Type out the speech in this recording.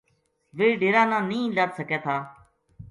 ویہ ڈیرا نا نیہہ لد سکے تھا